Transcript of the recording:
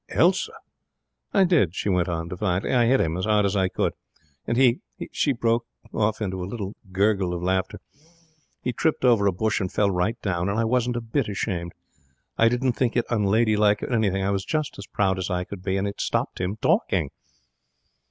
'Elsa!' 'I did!' she went on, defiantly. 'I hit him as hard as I could, and he he' she broke off into a little gurgle of laughter 'he tripped over a bush and fell right down; and I wasn't a bit ashamed. I didn't think it unladylike or anything. I was just as proud as I could be. And it stopped him talking.'